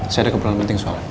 saya ada keperluan penting soal